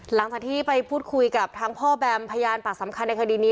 หลังจากที่ไปพูดคุยกับทั้งพ่อแบมพยานปากสำคัญในคดีนี้